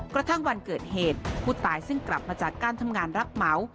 กระทั่งวันเกิดเหตุผู้ตายซึ่งกลับมาจากการทำงานรับเหมา